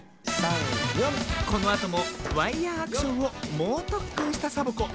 このあともワイヤーアクションをもうとっくんしたサボ子。